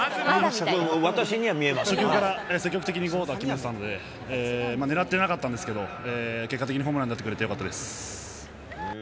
自分から積極的にねらってたので、狙ってなかったんですけど、結果的にホームランになってくれてよかったです。